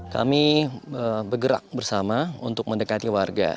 kami bergerak bersama untuk mendekati warga